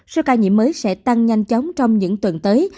số ca nhiễm mới sẽ tăng nhanh chóng trong những tuần tới